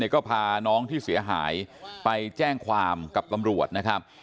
ก็พาน้องที่เสียหายไปแจ้งความกับตำรวจนะครับ